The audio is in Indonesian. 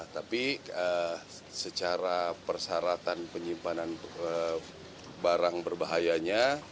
tapi secara persyaratan penyimpanan barang berbahayanya